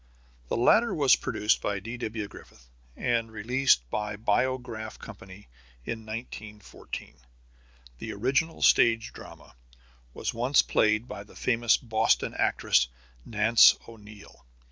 The latter was produced by D.W. Griffith, and released by the Biograph Company in 1914. The original stage drama was once played by the famous Boston actress, Nance O'Neil.